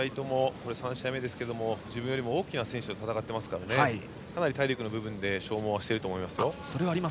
これが３試合目ですが自分よりも大きな選手と戦っていますからかなり体力の部分で消耗していると思いますよ。